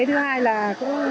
thứ hai là cũng